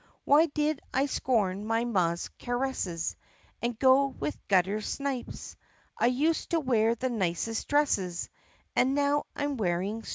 "Why did I scorn my ma's caresses And go with gutter snipes 4 ? I used to wear the nicest dresses And now I 'm wearing stripes.